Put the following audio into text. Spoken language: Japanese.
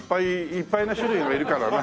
いっぱい種類もいるからな。